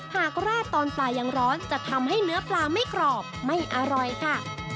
ราดตอนปลายังร้อนจะทำให้เนื้อปลาไม่กรอบไม่อร่อยค่ะ